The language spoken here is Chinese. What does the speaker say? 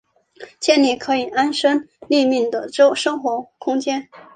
建立可以安身立命的生活空间